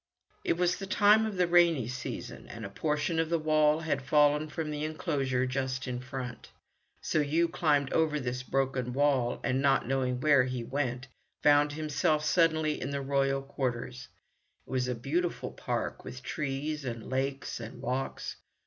It was the time of the rainy season, and a portion of the wall had fallen from the enclosure just in front. So Yoo climbed over this broken wall, and, not knowing where he went, found himself suddenly in the royal quarters. It was a beautiful park, with trees, and lakes, and walks.